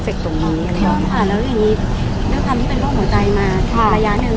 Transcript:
ภาษาสนิทยาลัยสุดท้าย